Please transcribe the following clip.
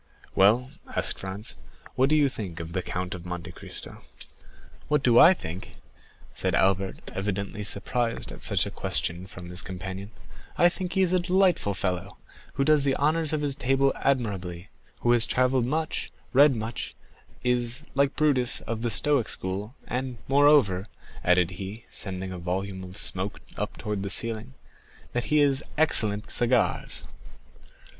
"Well," asked Franz, "what think you of the Count of Monte Cristo?" "What do I think?" said Albert, evidently surprised at such a question from his companion; "I think he is a delightful fellow, who does the honors of his table admirably; who has travelled much, read much, is, like Brutus, of the Stoic school, and moreover," added he, sending a volume of smoke up towards the ceiling, "that he has excellent cigars."